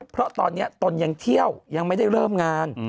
เพราะตอนนี้ตนยังเที่ยวยังไม่ได้เริ่มงาน